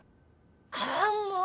ああもう！